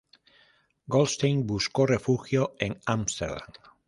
Goldstein buscó refugio en Ámsterdam.